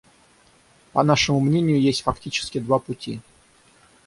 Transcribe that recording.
По нашему мнению, есть фактически два пути.